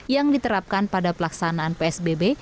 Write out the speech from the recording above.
yang diterapkan pada pelaksanaan psbb